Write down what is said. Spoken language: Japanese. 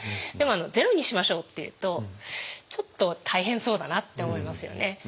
でも「ゼロにしましょう」って言うとちょっと大変そうだなって思いますよね。